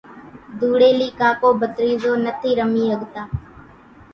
ڌوڙيلي ڪاڪو ڀتريزو نٿي رمي ۿڳتا،